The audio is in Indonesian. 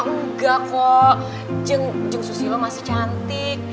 enggak kok jeng susilo masih cantik